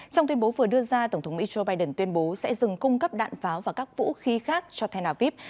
trong tuyên bố vừa đưa ra tổng thống mỹ joe biden tuyên bố sẽ dừng cung cấp đạn pháo và các vũ khí khác cho tel aviv